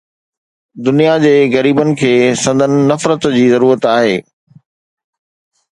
دنيا جي غريبن کي سندن نفرت جي ضرورت آهي